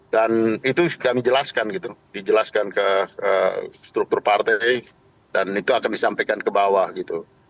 dan itu kami jelaskan gitu dijelaskan ke struktur partai dan itu akan disampaikan ke bawah gitu